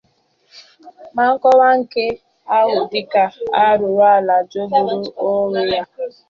ma kọwaa nke ahụ dịka arụrụala jọgburu onwe ya